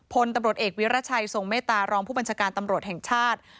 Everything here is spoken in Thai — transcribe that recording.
พลตำรวจเอกวิรัชัยทรงเมตตารองผู้บัญชาการตำรวจแห่งชาติ